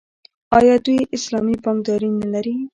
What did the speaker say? آیا دوی اسلامي بانکداري نلري؟